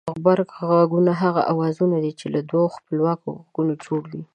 غبرگ غږونه هغه اوازونه دي چې له دوو خپلواکو غږونو جوړ وي